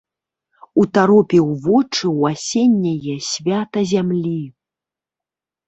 Утаропіў вочы ў асенняе свята зямлі.